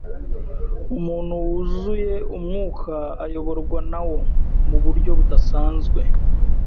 umuntu wuzuye Umwuka ayoborwa nawo mu buryo budasanzwe